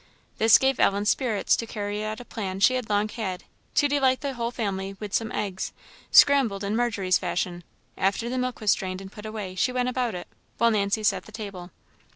This gave Ellen spirits to carry out a plan she had long had, to delight the whole family with some eggs, scrambled in Margery's fashion; after the milk was strained and put away, she went about it, while Nancy set the table.